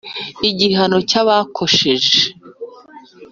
igihano cy’abakosheje